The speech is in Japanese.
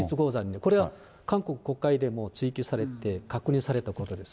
これは韓国国会でも追及されて、確認されたことです。